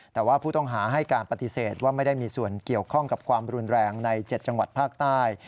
แต่ว่าผู้ต้องหาให้การปฏิเสธว่าไม่ได้มีส่วนเกี่ยวข้องกับความรุนแรงใน๗จังหวัดภาคใต้